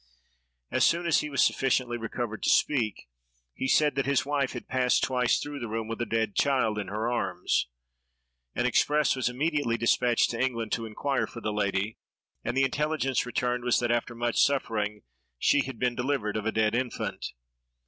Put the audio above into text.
As soon as he was sufficiently recovered to speak, he said that his wife had passed twice through the room with a dead child in her arms. An express was immediately despatched to England to inquire for the lady, and the intelligence returned was that, after much suffering, she had been delivered of a dead infant.